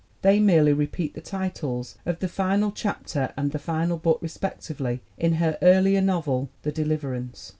They merely repeat the titles of the final chapter and the final book, respectively, in her earlier novel, The Deliverance.